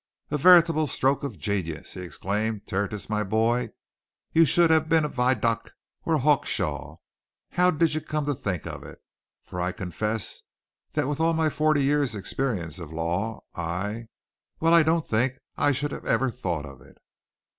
"A veritable stroke of genius!" he exclaimed. "Tertius, my boy, you should have been a Vidocq or a Hawkshaw! How did you come to think of it? For I confess that with all my forty years' experience of Law, I well, I don't think I should ever have thought of it!"